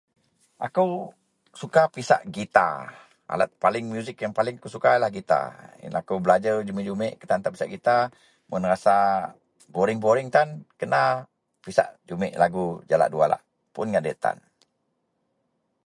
Akou suka pisak gita, alat paling muzik yang paling akou suka yenlah gita. Yenlah akou belajer jumit-jumit getan tan pisak gita. Mun rasa boring-boring tan kena pisak jumit lagu, jalak duwa alak puun ngak diyak tan